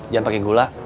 jangan pakai gula